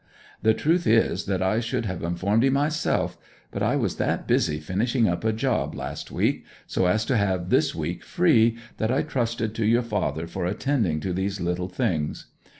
The truth is that I should have informed 'ee myself; but I was that busy finishing up a job last week, so as to have this week free, that I trusted to your father for attending to these little things.